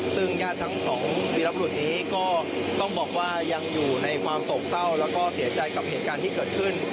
ซึ่งญาติทั้งสองวีรบรุษนี้ก็ต้องบอกว่ายังอยู่ในความโศกเศร้าแล้วก็เสียใจกับเหตุการณ์ที่เกิดขึ้น